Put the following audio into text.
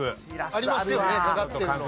ありますよねかかってるの。